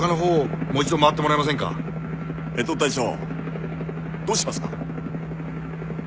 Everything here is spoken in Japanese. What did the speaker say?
越冬隊長どうしますか？